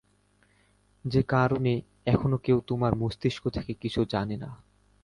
যে কারণে এখনো কেউ তোমার মস্তিষ্ক থেকে কিছু জানে না।